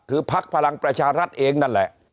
คือพักพลังประชารัฐเองนั่นแหละ